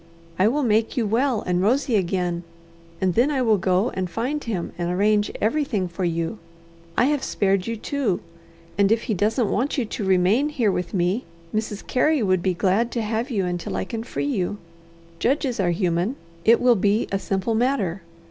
I will make you well and rosy again, and then I will go and find him, and arrange everything for you. I have spared you, too, and if he doesn't want you to remain here with me, Mrs. Carey would be glad to have you until I can free you. Judges are human. It will be a simple matter.